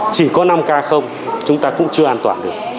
chỉ có năm k không chúng ta cũng chưa an toàn được